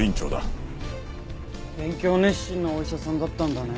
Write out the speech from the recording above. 勉強熱心なお医者さんだったんだね。